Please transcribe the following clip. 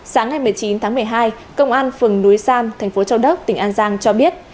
sáng ngày một mươi chín tháng một mươi hai công an phường núi sam thành phố châu đốc tỉnh an giang cho biết